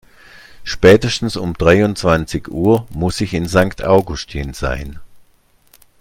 Spätestens um dreiundzwanzig Uhr muss ich in Sankt Augustin sein.